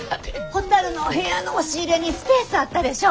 ほたるのお部屋の押し入れにスペースあったでしょ。